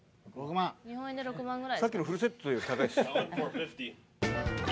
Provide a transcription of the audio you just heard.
・日本円で６万ぐらい。